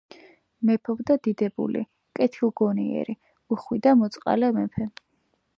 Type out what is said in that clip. მეფობდა დიდებული, კეთილგონიერი, უხვი და მოწყალე მეფე.